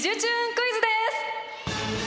クイズです！